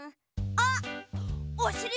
あっおしり！